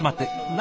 何？